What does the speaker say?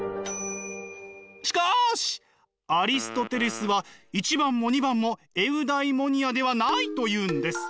しかしアリストテレスは１番も２番もエウダイモニアではないと言うんです。